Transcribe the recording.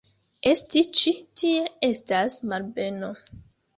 Esti ĉi tie estas malbeno.